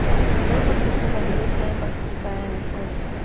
Dos o tres jugadores pueden participar en el juego.